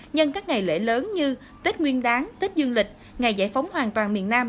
nhân các ngày lễ lớn như tết nguyên đáng tết dương lịch ngày giải phóng hoàn toàn miền nam